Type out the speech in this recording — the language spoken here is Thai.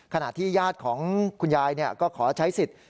ขณะที่ญาติของคุณยายก็ขอใช้สิทธิ์